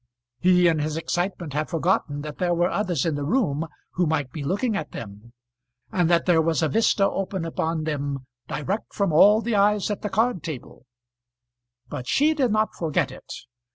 He in his excitement had forgotten that there were others in the room who might be looking at them, and that there was a vista open upon them direct from all the eyes at the card table; but she did not forget it.